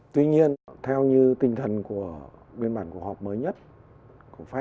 tuy nhiên theo như tinh thần của biên bản cuộc họp mới nhất của pháp